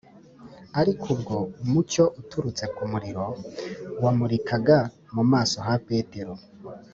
ariko ubwo umucyo uturutse ku muriro wamurikaga mu maso ha petero,